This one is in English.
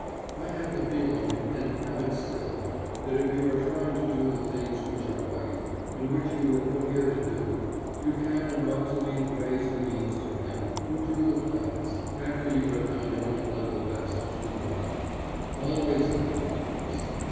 I had the feeling, and have it still, that if you are trying to do the things which are right, and which you were put here to do, you can and ought to leave ways and means to Him who drew the plans, after you have done your own level best to provide. Always that, of course.